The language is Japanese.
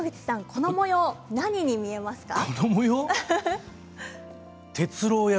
この模様何に見えますか。